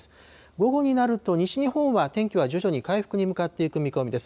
午後になると、西日本は天気は徐々に回復に向かっていく見込みです。